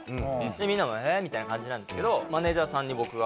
みんなも「え」みたいな感じなんですけどマネジャーさんに僕が。